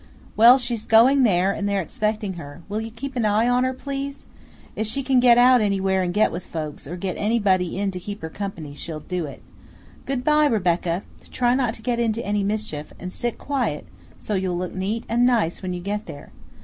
"Well, she's going there, and they're expecting her. Will you keep an eye on her, please? If she can get out anywhere and get with folks, or get anybody in to keep her company, she'll do it. Good by, Rebecca; try not to get into any mischief, and sit quiet, so you'll look neat an' nice when you get there.